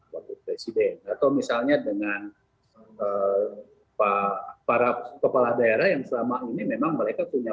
wakil presiden atau misalnya dengan para kepala daerah yang selama ini memang mereka punya